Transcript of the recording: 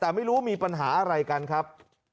แต่ไม่รู้มีปัญหาอะไรกันครับ